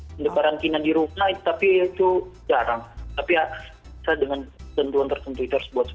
tapi ya dengan ketentuan tertentu itu harus buat sebuah seluruh kainnya lagi